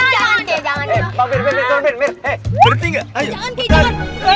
jangan jangan jangan